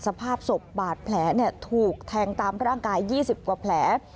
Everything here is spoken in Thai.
สภาพสบบาดแผลเนี่ยถูกแทงตามพระอากาศ๒๐กว่าแผล